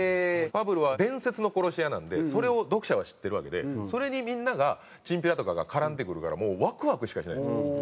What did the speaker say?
ファブルは伝説の殺し屋なんでそれを読者は知ってるわけでそれにみんながチンピラとかが絡んでくるからワクワクしかしないんですよ。